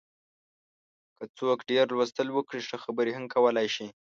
که څوک ډېر لوستل وکړي، ښه خبرې هم کولای شي.